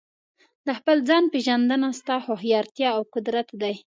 د خپل ځان پېژندنه ستا هوښیارتیا او قدرت دی.